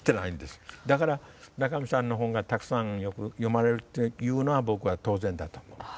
だから村上さんの本がたくさんよく読まれるっていうのは僕は当然だと思う。